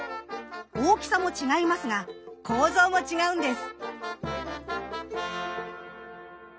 大きさも違いますが構造も違うんです。